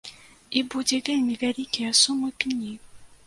І будзе вельмі вялікія сумы пені.